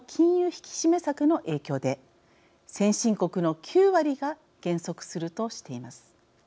引き締め策の影響で先進国の９割が減速するとしています。